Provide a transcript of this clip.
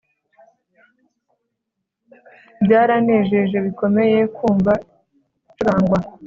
byaranejeje bikomeye kumva icurangwa!